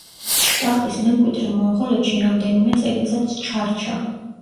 ტახტის მემკვიდრე მონღოლეთში რამდენიმე წელიწადს ჩარჩა.